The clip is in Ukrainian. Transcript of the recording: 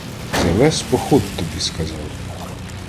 Зевес поход тобі сказав!